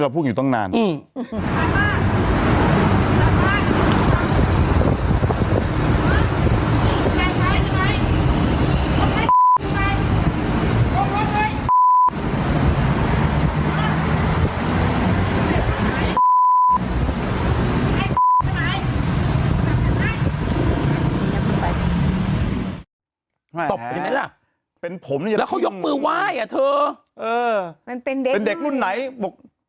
ตกไปไหนล่ะเป็นผมแล้วเขายกมือว่ายอ่ะเธอเออเป็นเด็กเป็นเด็กรุ่นไหนบอก